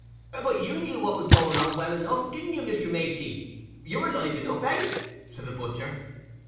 "But you knew what was going on well enough, didn't you, Mr. Macey? You were live enough, eh?" said the butcher.